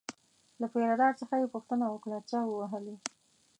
له پیره دار څخه یې پوښتنه وکړه چا ووهلی.